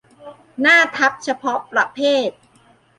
หน้าทับเฉพาะประเภท